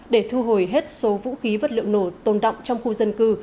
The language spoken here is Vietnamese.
để thu hồi hết số vũ khí vật liệu nổ tồn đọng trong khu dân cư